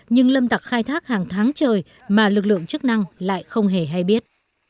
nhưng lâm tặc khai thác hàng tháng trời mà lực lượng chức năng lại không hề hay biết